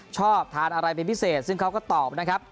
ชอบทานอะไรเป็นพิเศษซึ่งเขาก็ตอบนะครับ